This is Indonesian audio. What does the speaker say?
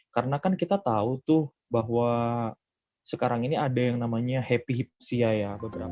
karena kan kita tahu tuh bahwa sekarang ini ada yang namanya happy hipoksia ya